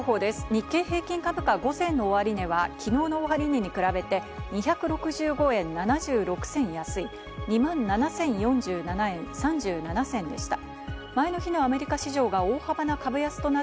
日経平均株価は午前の終値は昨日に比べて２６５円７６銭安い、２万７０４７円３７銭でした。